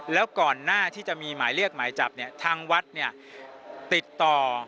แล้วก่อนหน้าที่จะมีหมายเรียกหมายจับเนี่ยทางวัดเนี่ยติดต่อ